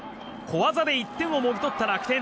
小技で１点をもぎ取った楽天。